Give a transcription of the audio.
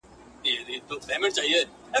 تش یو پوست وو پر هډوکو غوړېدلی.